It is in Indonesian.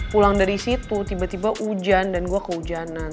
pulang dari situ tiba tiba hujan dan gue kehujanan